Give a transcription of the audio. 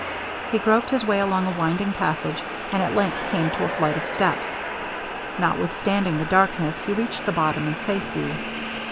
He groped his way along a winding passage, and at length came to a flight of steps. Notwithstanding the darkness, he reached the bottom in safety.